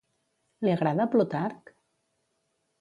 Li agrada a Plutarc?